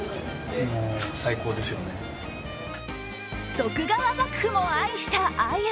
徳川幕府も愛した、あゆ。